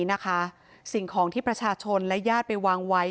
นะคะสิ่งของที่ประชาชนและญาติไปวางไว้